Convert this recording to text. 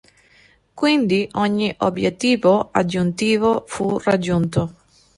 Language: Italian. Quindi, ogni obbiettivo aggiuntivo fu raggiunto.